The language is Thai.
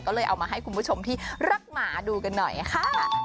ก็เลยเอามาให้คุณผู้ชมที่รักหมาดูกันหน่อยค่ะ